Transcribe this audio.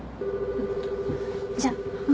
・じゃあ。